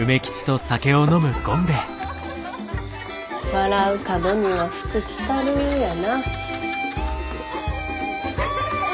・「笑う門には福来る」やな。